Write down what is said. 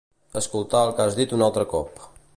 Escoltar el que has dit un altre cop.